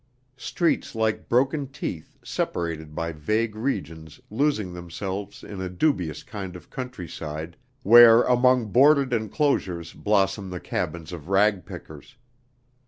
Streets like broken teeth separated by vague regions losing themselves in a dubious kind of country side where among boarded enclosures blossom the cabins of ragpickers.